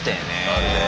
あるね。